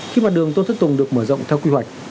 khi mặt đường tôn thất tùng được mở rộng theo quy hoạch